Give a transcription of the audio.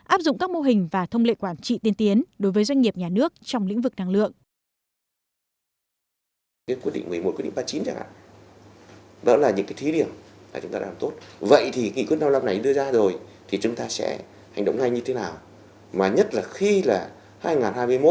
áp dụng các mô hình và thông lệ quản trị tiên tiến đối với doanh nghiệp nhà nước trong lĩnh vực năng lượng